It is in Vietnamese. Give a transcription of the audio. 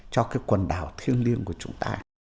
cho cái quần đảo thiêng liêng của chúng ta